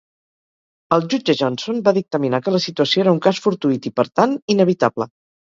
El jutge Johnson va dictaminar que la situació era un cas fortuït i, per tant, inevitable.